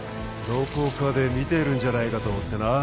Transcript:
どこかで見てるんじゃないかと思ってなあ